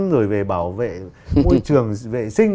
rồi về bảo vệ môi trường vệ sinh